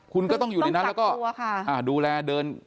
คุณก็ต้องอยู่ในนั้นแล้วก็คือต้องจัดตัวค่ะอ่าดูแลเดิน